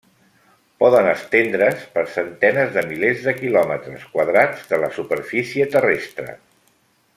Poden estendre's per centenes de milers de quilòmetres quadrats de la superfície terrestre.